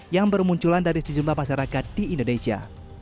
yang bermunculan dari sejumlah masyarakat di indonesia